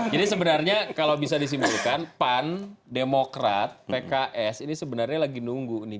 jadi sebenarnya kalau bisa disimbolkan pan demokrat pks ini sebenarnya lagi nunggu nih